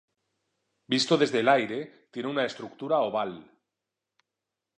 Visto desde el aire tiene una estructura oval.